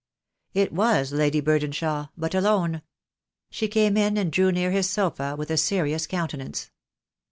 It was Lady Burdenshaw, but alone. She came in and drew near his sofa with a serious countenance.